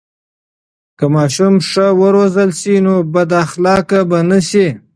که ماشوم ښه و روزل سي، نو بد اخلاقه به نه سي.